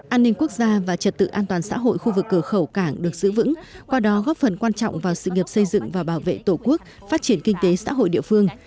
an ninh quốc gia và trật tự an toàn xã hội khu vực cửa khẩu cảng được giữ vững qua đó góp phần quan trọng vào sự nghiệp xây dựng và bảo vệ tổ quốc phát triển kinh tế xã hội địa phương